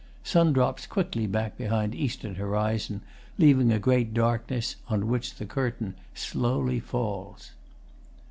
Sun drops quickly back behind eastern horizon, leaving a great darkness on which the Curtain slowly falls.